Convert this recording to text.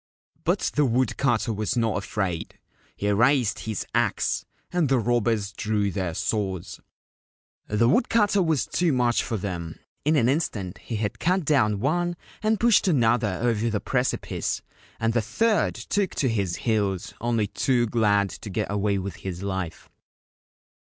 But the wood cutter was not afraid. He raised his axe, and the robbers drew their swords. The woodcutter was too much for them. In an instant he had cut down one and pushed another over the precipice, and the third took to his heels, only too glad to get away with his life.